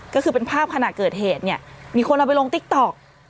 ก็คือเป็นภาพขณะเกิดเหตุเนี่ยมีคนเอาไปลงติ๊กต๊อก